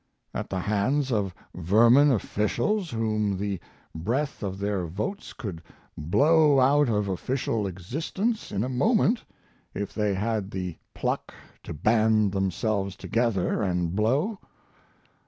at the hands of vermin officials whom the breath of their votes could blow out of official existence in a moment if they had the pluck to band themselves together and blow.